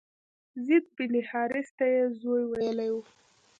زید بن حارثه ته یې زوی ویلي و.